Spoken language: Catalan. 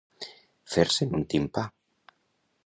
Fer-se'n un timpà.